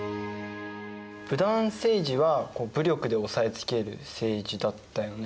武断政治は武力で押さえつける政治だったよね。